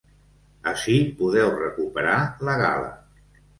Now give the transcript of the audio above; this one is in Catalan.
Ací podeu recuperar la gala.